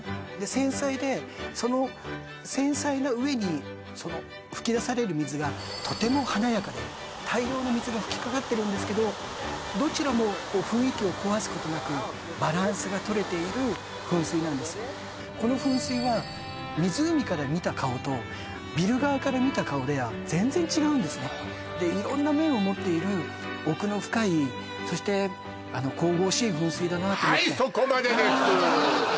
繊細でその繊細な上にその噴き出される水がとても華やかで大量の水が噴きかかってるんですけどどちらも雰囲気を壊すことなくバランスが取れている噴水なんですこの噴水は湖から見た顔とビルから見た顔では全然違うんですねで色んな面を持っている奥の深いそして神々しい噴水だな